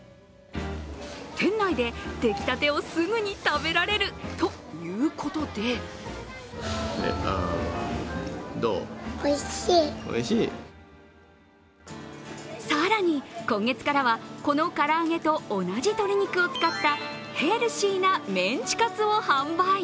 店内で出来たてをすぐに食べられるということで更に今月からは、この唐揚げと同じ鶏肉を使ったヘルシーなメンチカツを販売。